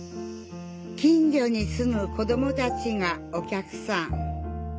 近所に住む子どもたちがお客さん。